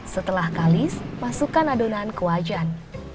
setelah kalis masukkan adonan ke wajan